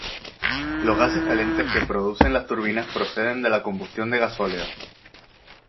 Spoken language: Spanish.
Los gases calientes que producen las turbinas proceden de la combustión de gasóleo.